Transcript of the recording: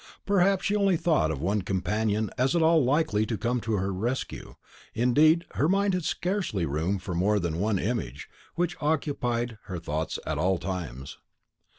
Perhaps she only thought of one champion as at all likely to come to her rescue; indeed, her mind had scarcely room for more than that one image, which occupied her thoughts at all times.